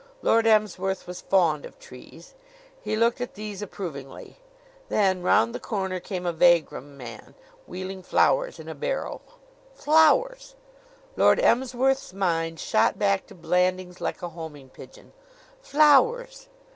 Lord Emsworth was fond of trees; he looked at these approvingly. Then round the corner came a vagrom man, wheeling flowers in a barrow. Flowers! Lord Emsworth's mind shot back to Blandings like a homing pigeon. Flowers!